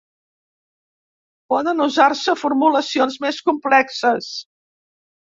Poden usar-se formulacions més complexes.